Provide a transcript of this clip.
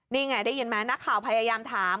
นี่ไงได้ยินไหมนักข่าวพยายามถาม